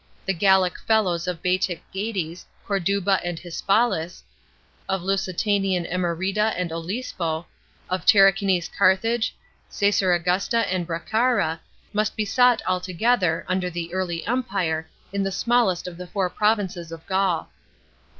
The Gallic fellows of Baetic Gades, Corduba and Hispalis, of Lusitanian Emerita and Olisipo, of Tarraconese Carthage, Cassarangusta and Bracara, must be sought altogether (under the early Empire) in the smallest of the four provinces of Gaul.